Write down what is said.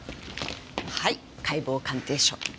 はい解剖鑑定書。